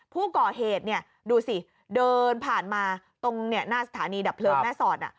ผู้ก่อเหตุดูสิเดินผ่านมาตรงหน้าสถานีดับเพลิงแม่สอด